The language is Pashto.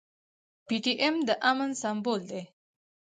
پي ټي ايم د امن سمبول دی.